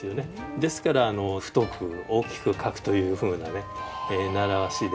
ですから太く大きく描くというふうなね習わしでやってます。